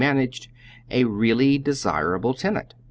49 managed, a really desirable tenant.